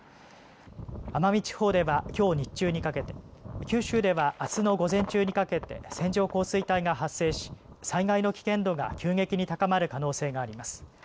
奄美地方ではきょう日中にかけて、九州ではあすの午前中にかけて線状降水帯が発生し災害の危険度が急激に高まる可能性があります。